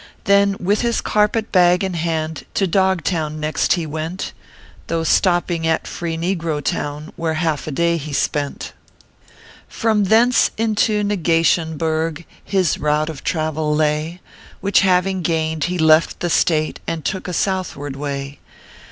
Then, with his carpet bag in hand, To Dog Town next he went ; Though stopping at Free Negro Town, Where half a day he spent. 28 ORPHEUS C. KERR PAPERS. From thence, into Negationburg His route of travel lay, Which haying gained, he left the State And took a southward way.